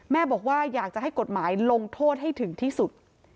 บอกว่าอยากจะให้กฎหมายลงโทษให้ถึงที่สุด